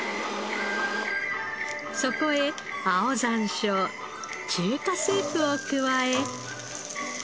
そこへ青山椒中華スープを加え。